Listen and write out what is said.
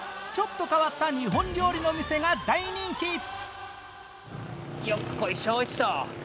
ちょっと変わった日本料理の店が大人気。